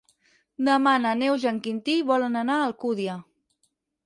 Demà na Neus i en Quintí volen anar a Alcúdia.